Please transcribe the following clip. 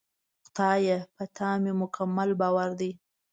خدایه! په تا مې مکمل باور دی.